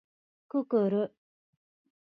くくる